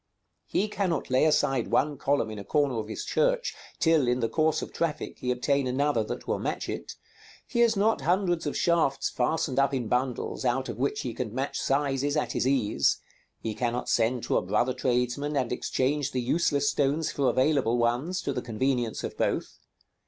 He cannot lay aside one column in a corner of his church till, in the course of traffic, he obtain another that will match it; he has not hundreds of shafts fastened up in bundles, out of which he can match sizes at his ease; he cannot send to a brother tradesman and exchange the useless stones for available ones, to the convenience of both.